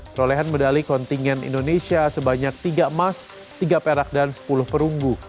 perolehan medali kontingen indonesia sebanyak tiga emas tiga perak dan sepuluh perunggu